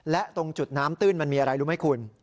และตรงจุดน้ำตื้นมันมีอะไรรู้ไหมคุณ